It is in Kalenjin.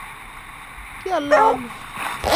kealee ano